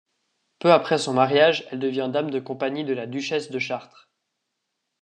Peu après son mariage, elle devient dame de compagnie de la duchesse de Chartres.